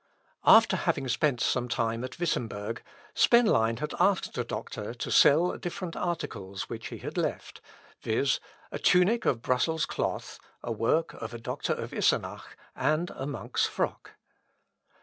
After having spent some time at Wittemberg, Spenlein had asked the doctor to sell different articles which he had left, viz., a tunic of Brussels cloth, a work of a doctor of Isenach, and a monk's frock.